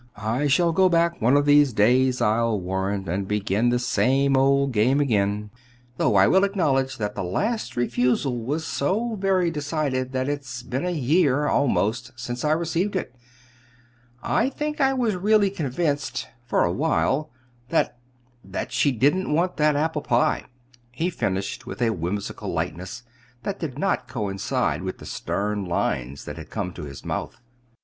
"I shall go back one of these days, I'll warrant, and begin the same old game again; though I will acknowledge that the last refusal was so very decided that it's been a year, almost, since I received it. I think I was really convinced, for a while, that that she didn't want that apple pie," he finished with a whimsical lightness that did not quite coincide with the stern lines that had come to his mouth.